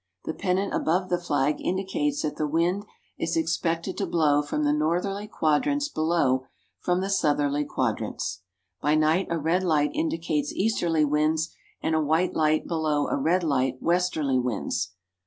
The pennant above the flag indicates that the wind is expected to blow from the northerly quadrants; below, from the southerly quadrants. By night a red light indicates easterly winds, and a white light below a red light, westerly winds.